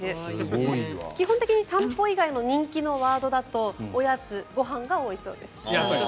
基本的に散歩以外の人気のワードはおやつ、ご飯が多いそうです。